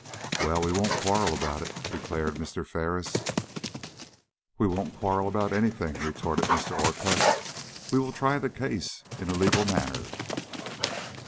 "Well, we won't quarrel about it," declared Mr. Ferris. "We won't quarrel about any thing," retorted Mr. Orcutt. "We will try the case in a legal manner."